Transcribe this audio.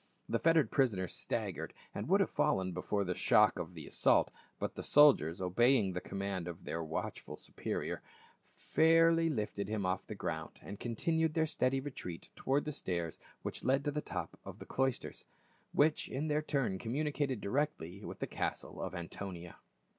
The fettered prisoner staggered and would have fallen before the shock of the assault, but the soldiers, obeying the command of their watchful superior, fairly lifted him off the ground and continued their steady retreat toward the stairs which led to the top of the cloisters, which in their turn communicated directly with the castle of Antonia.